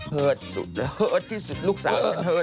เฮิดสุดเฮิดที่สุดลูกสาวมันเฮิดมาก